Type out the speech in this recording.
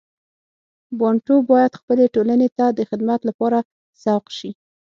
بانټو باید خپلې ټولنې ته د خدمت لپاره سوق شي.